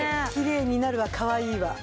きれいなるわかわいいわ。